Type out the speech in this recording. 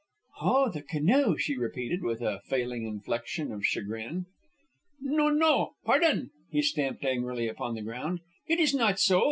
"Oh, the canoe," she repeated, with a falling inflection of chagrin. "No! No! Pardon!" He stamped angrily upon the ground. "It is not so.